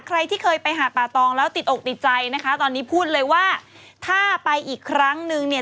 ใครที่เคยไปหาป่าตองแล้วติดอกติดใจนะคะตอนนี้พูดเลยว่าถ้าไปอีกครั้งนึงเนี่ย